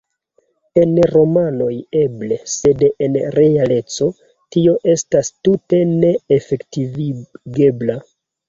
En romanoj, eble; sed en realeco, tio estas tute ne efektivigebla.